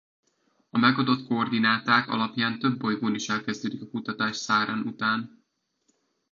A megadott koordináták alapján több bolygón is elkezdődik a kutatás Saren után.